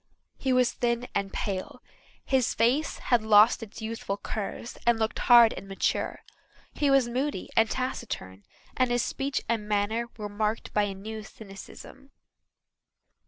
He was thin and pale; his face had lost its youthful curves and looked hard and mature. He was moody and taciturn and his speech and manner were marked by a new cynicism.